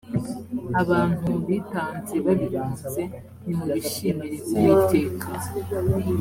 abantu bitanze babikunze nimubishimire uwiteka